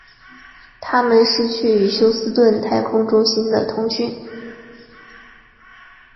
他们失去与休斯顿太空中心的通讯。